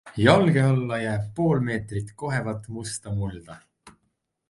Jalge alla jääb pool meetrit kohevat musta mulda.